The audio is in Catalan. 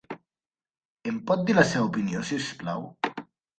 Em pot dir la seva opinió, si us plau?